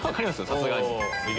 さすがに。